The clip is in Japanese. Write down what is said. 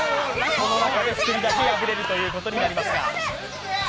その中で、一人だけが敗れるということになりますが。